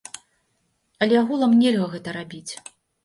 Але агулам нельга гэта рабіць.